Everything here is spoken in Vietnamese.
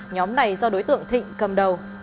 nhóm này do đối tượng thịnh cầm đầu